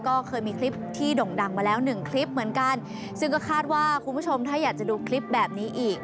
ก็เคยมีคลิปที่ด่งดังมาแล้วหนึ่งคลิปเหมือนกันซึ่งก็คาดว่าคุณผู้ชมถ้าอยากจะดูคลิปแบบนี้อีก